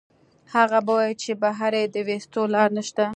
هغه به وائي چې بهر ئې د ويستو لار نشته